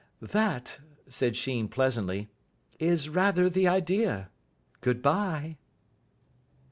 "That," said Sheen pleasantly, "is rather the idea. Good bye."